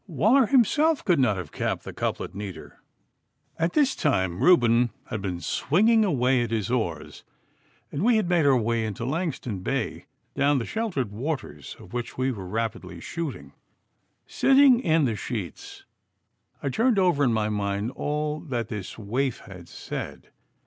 Waller himself could not have capped the couplet neater.' All this time Reuben had been swinging away at his oars, and we had made our way into Langston Bay, down the sheltered waters of which we were rapidly shooting. Sitting in the sheets, I turned over in my mind all that this waif had said.